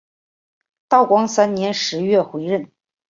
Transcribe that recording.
道光三年十月回任。